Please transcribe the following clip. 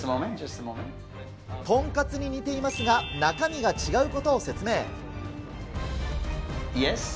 豚カツに似ていますが、中身が違うことを説明。